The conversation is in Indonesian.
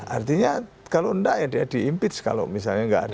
artinya kalau enggak ya dia diimpeach kalau misalnya nggak ada